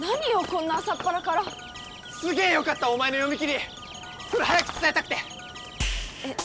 こんな朝っぱらからすげえよかったお前の読み切りそれ早く伝えたくてえっ